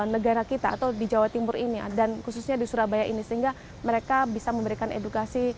negara kita atau di jawa timur ini dan khususnya di surabaya ini sehingga mereka bisa memberikan edukasi